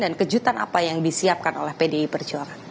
dan kejutan apa yang disiapkan oleh pdi perjuangan